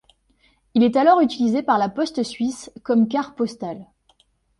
Il est alors utilisé par la poste suisse comme car postal.